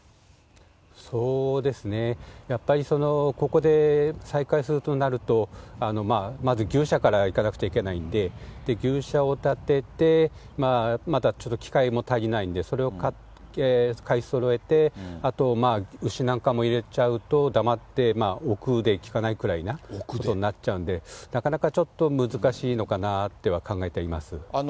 そうですね、やっぱり、ここで再開するとなると、まず牛舎からいかなくちゃいけないんで、牛舎を建てて、またちょっと機械も足りないんで、それを買って、買いそろえて、あと、まあ牛なんかも入れちゃうと、黙って億できかないくらいなことになっちゃうんで、なかなかちょっと、難しいのかなとは考えてはいます。